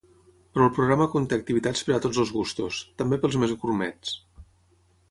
Però el programa conté activitats per a tots els gustos, també pels més gurmets.